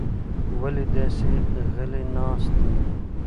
ولې داسې غلې ناسته یې؟